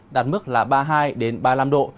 đạt mức là ba mươi hai ba mươi năm độ